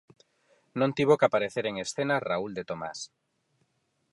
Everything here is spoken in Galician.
Non tivo que aparecer en escena Raúl de Tomas.